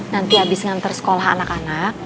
nanti abis ngantar sekolah anak anak